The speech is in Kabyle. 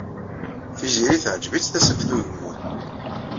Tiziri teɛjeb-itt Tasaft Ugemmun.